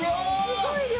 すごい量。